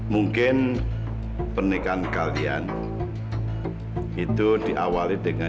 mungkin pernikahan kalian itu diawali dengan segala galanya